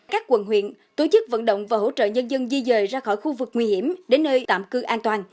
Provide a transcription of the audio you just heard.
các quận huyện tổ chức vận động và hỗ trợ nhân dân di dời ra khỏi khu vực nguy hiểm đến nơi tạm cư an toàn